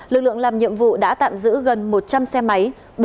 lực lượng làm nhiệm vụ đã tạm giữ gần một trăm linh xe máy